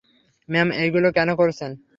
Ma'am, এইগুলা কেন করছেন?